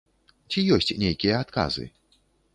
Ці ёсць нейкія адказы?